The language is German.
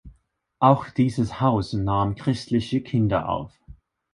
Auch dieses Haus nahm christliche Kinder auf.